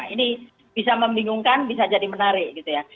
ini bisa membingungkan bisa jadi menarik gitu ya